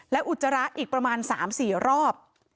และอุจจาระอีกประมาณ๓๔รอบ